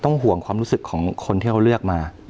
ห่วงความรู้สึกของคนที่เขาเลือกมา